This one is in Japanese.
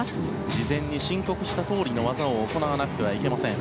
事前に申告した通りの技を行わなくてはいけません。